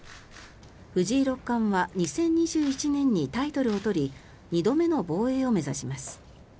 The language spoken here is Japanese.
藤井六冠は２０２１年にタイトルを取り２度目の防衛を目指します。